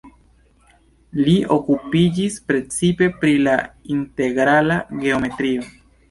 Li okupiĝis precipe pri la integrala geometrio.